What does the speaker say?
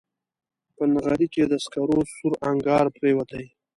په نغري کې د سکرو سور انګار پرېوتی